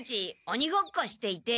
おにごっこしていて。